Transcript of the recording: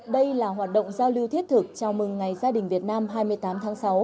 đây là hoạt động giao lưu thiết thực chào mừng ngày gia đình việt nam hai mươi tám tháng sáu